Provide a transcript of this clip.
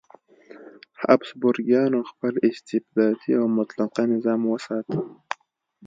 هابسبورګیانو خپل استبدادي او مطلقه نظام وساته.